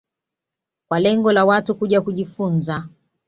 kwa lengo la Watu kuja kujifunza